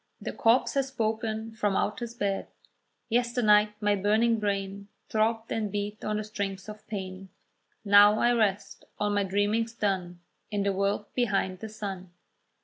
The corpse has spoken from out his bed, "Yesternight my burning brain Throbbed and beat on the strings of pain: Now I rest, all my dreaming's done, In the world behind the sun.